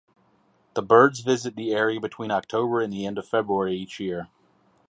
The birds visit the area between October and the end of February each year.